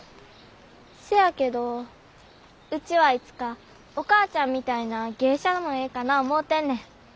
せやけどウチはいつかお母ちゃんみたいな芸者もええかな思うてんねん。